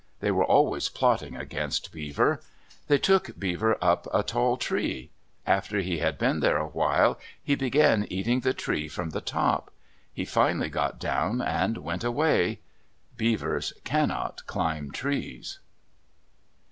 They were always plotting against Beaver. They took Beaver up a tall tree. After he had been there awhile, he began eating the tree from the top. He finally got down and went away. Beavers cannot climb trees.